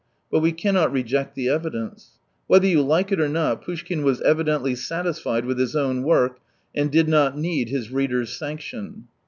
But we cannot reject the evidence. Whether you like it or not, Poushkin was evidently satisfied with his own work, and did not need his reader's sanction.